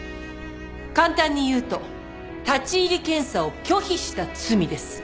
簡単に言うと立入検査を拒否した罪です。